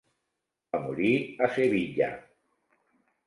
Va morir a Sevilla.